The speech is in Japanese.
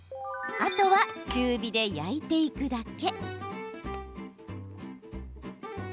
あとは、中火で焼いていくだけ。